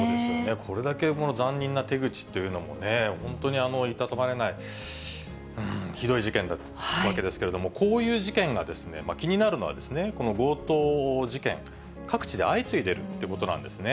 これだけ残忍な手口というのもね、本当にいたたまれない、ひどい事件だったわけですけれども、こういう事件が、気になるのは、この強盗事件、各地で相次いでるってことなんですね。